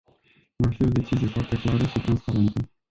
Va fi o decizie foarte clară și transparentă.